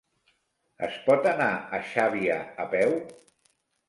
Es pot anar a Xàbia a peu?